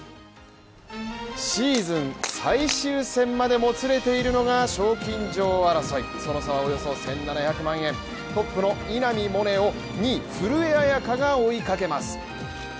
シーズン最終戦までもつれているのが賞金女王争い、その差はおよそ１７００万円、トップの稲見萌寧を２位古江彩佳が追いかけます。